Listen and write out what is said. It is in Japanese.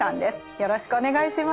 よろしくお願いします。